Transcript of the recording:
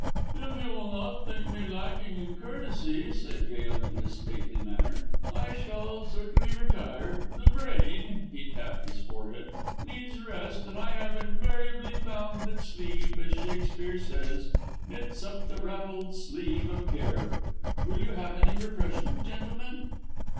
"If you will not think me lacking in courtesy," said Gail in his stately manner, "I shall certainly retire. The brain," he tapped his forehead, "needs rest, and I have invariably found that sleep, as Shakespeare says, 'knits up the ravelled sleeve of care.' Wil you have any refreshment, gentlemen?"